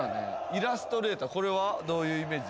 イラストレーターこれはどういうイメージ？